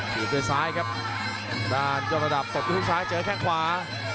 อยู่ที่ซ้ายครับด้านยอดระดับตกที่ซ้ายเจอแค่งขวา